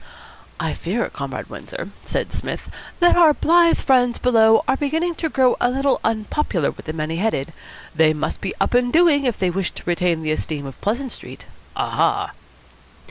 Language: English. "I fear, Comrade Windsor," said Psmith, "that our blithe friends below are beginning to grow a little unpopular with the many headed. They must be up and doing if they wish to retain the esteem of Pleasant Street. Aha!"